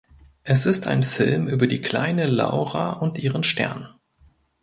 Es ist ein Film über die kleine Laura und ihren Stern.